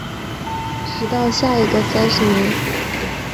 直到下一个三十年